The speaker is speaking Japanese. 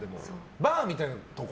バーみたいなところ？